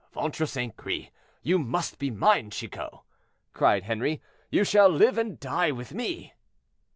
"—"Ventre St. Gris! you must be mine, Chicot!" cried Henri. "You shall live and die with me."